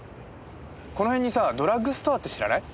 この辺にさドラッグストアって知らない？